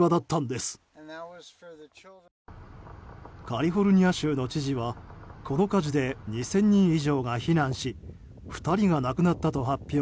カリフォルニア州の知事はこの火事で２０００人以上が避難し２人が亡くなったと発表。